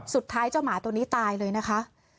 เจ้าหมาตัวนี้ตายเลยนะคะ